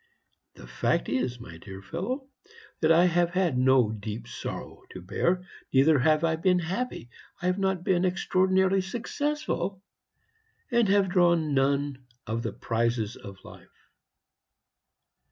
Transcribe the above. The fact is, my dear fellow, that I have had no deep sorrow to bear, neither have I been happy. I have not been extraordinarily successful, and have drawn none of the prizes of life.